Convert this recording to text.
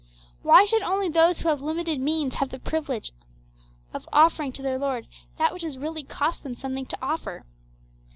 Why should only those who have limited means have the privilege of offering to their Lord that which has really cost them something to offer?